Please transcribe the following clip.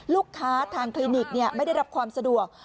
ทางคลินิกไม่ได้รับความสะดวก